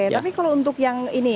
tapi kalau untuk yang ini